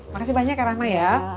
makasih banyak kak rama ya